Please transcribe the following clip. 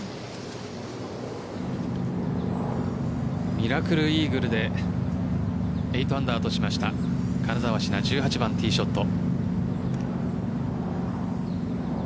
ミラクルイーグルで８アンダーとしました金澤志奈１８番ティーショット。